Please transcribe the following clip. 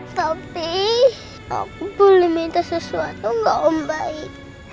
tapi aku boleh minta sesuatu gak om baik